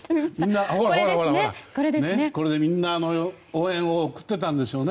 これでみんな応援を送っていたんでしょうね。